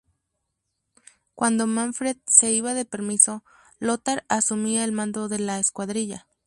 Cuando Manfred se iba de permiso, Lothar asumía el mando de la escuadrilla.